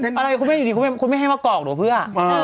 อะไรคุณแม่อยู่ดีคุณแม่ให้มากรอกหน่วงเพื่อ